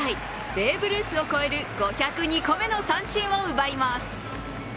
ベーブ・ルースを超える５０２個目の三振を奪います。